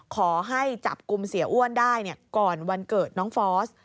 ขอให้จับกลุ่มเสียอ้วนได้ก่อนวันเกิดน้องฟอส